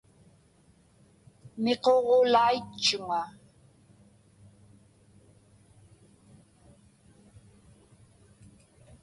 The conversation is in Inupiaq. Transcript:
Miquġulaitchuŋa.